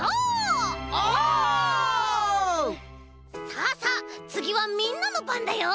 さあさあつぎはみんなのばんだよ！